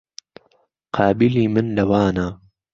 قابیلی من لەوانه